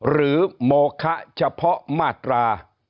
หรือโหมคะเฉพาะมาตรา